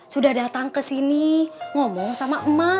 sudah datang kesini ngomong sama a ajat